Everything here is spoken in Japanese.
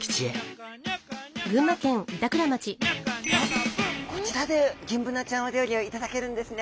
あっこちらでギンブナちゃんお料理を頂けるんですね。